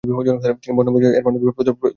তিনি বর্ণপরিচয়-এর পাণ্ডুলিপি প্রস্তুত করেন।